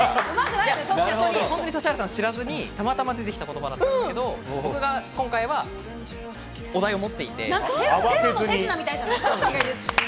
本当に指原さん、知らずにたまたま出てきた言葉なんですが、僕が今回はお題を持っていて。